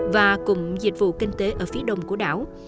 và cùng dịch vụ kinh tế ở phía đông của đảo